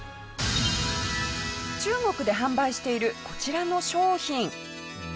中国で販売しているこちらの商品。